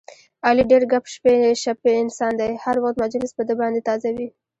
علي ډېر ګپ شپي انسان دی، هر وخت مجلس په ده باندې تازه وي.